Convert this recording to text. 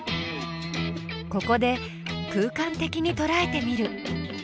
ここで空間的にとらえてみる。